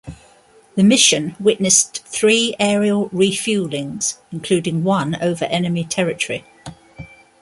The mission witnessed three aerial refuelings, including one over enemy territory.